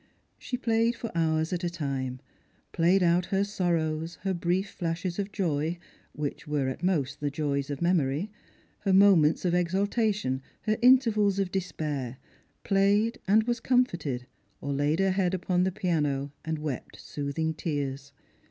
She played for hours at a time — played out her sorrows, her brief flashes of joy, which were at most the I'oys of memory, her moments of exaltation, her intervals of despair — played and was comforted, or laid her head upon the piano and wept soothing tears.